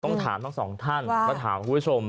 ต้องถามทั้งสองท่านแล้วถามคุณผู้ชม